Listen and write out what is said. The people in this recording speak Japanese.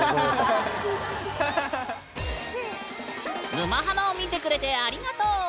「沼ハマ」を見てくれてありがとう。